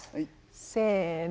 せの。